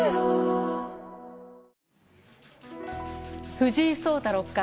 藤井聡太六冠。